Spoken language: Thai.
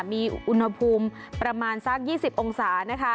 มีอุณหภูมิประมาณสัก๒๐องศานะคะ